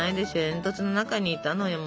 煙突の中にいたのよ。